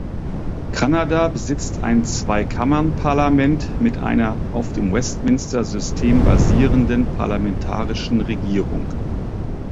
Kanada besitzt ein Zweikammernparlament mit einer auf dem Westminster-System basierenden parlamentarischen Regierung.